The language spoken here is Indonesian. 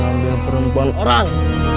mau ngambil perempuan orang